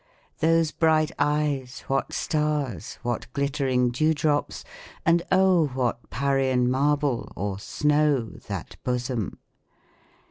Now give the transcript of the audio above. those bright eyes, what stars, what glitter ing dew drops ? And oh ! what Parian marble, or snow, that bosom